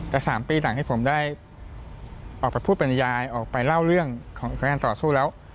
แต่๓ปีหลังที่ผมได้ออกไปพูดปริยายออกไปเล่าเรื่องของการต่อสู้แล้ว